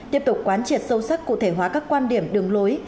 tiếp tục quán triệt sâu sắc cụ thể hóa các quan điểm đường lối